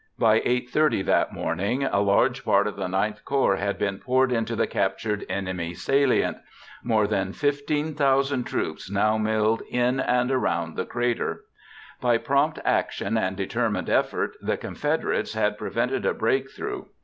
By 8:30 that morning a large part of the IX Corps had been poured into the captured enemy salient. More than 15,000 troops now milled in and about the crater. By prompt action and determined effort the Confederates had prevented a breakthrough.